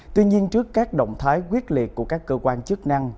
tuy nhiên trước các động thái quyết liệt của các cơ quan chức năng